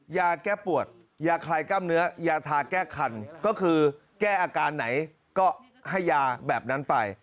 ยาแก้ปวดยาคลายกล้ามเนื้อยาทาแก้คันก็คือแก้อาการไหนก็ให้ยาแบบนั้นไป